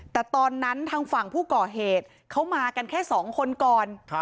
แต่ตอนนั้นทางฝั่งผู้ก่อเหตุเขามากันแค่๒คนก่อน